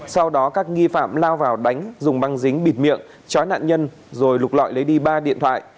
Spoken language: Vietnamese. sau đó các nghi phạm lao vào đánh dùng băng dính bịt miệng chói nạn nhân rồi lục lọi lấy đi ba điện thoại